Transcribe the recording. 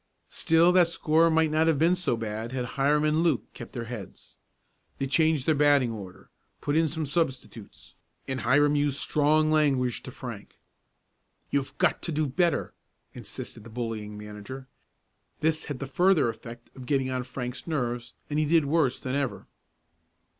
Still that score might not have been so bad had Hiram and Luke kept their heads. They changed their batting order, put in some substitutes, and Hiram used strong language to Frank. "You've got to do better!" insisted the bullying manager. This had the further effect of getting on Frank's nerves, and he did worse than ever.